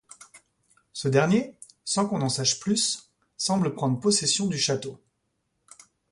Ce dernier, sans qu'on n'en sache plus, semble prendre possession du château.